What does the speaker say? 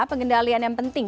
pengendalian yang penting